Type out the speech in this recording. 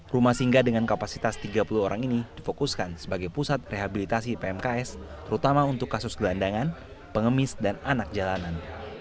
rumah singga dengan kapasitas tiga puluh orang ini difokuskan sebagai pusat rehabilitasi pmks terutama untuk kasus gelandangan pengemis dan anak jalanan